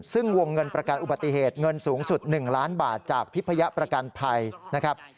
ซึ่งวงเงินประกันอุบัติเหตุเงินสูงสุด๑ล้านบาทจากพิพยประกันภัยนะครับ